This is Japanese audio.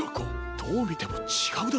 どうみてもちがうだろ。